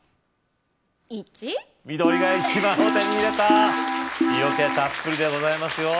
１緑が１番を手に入れた色気たっぷりでございますよ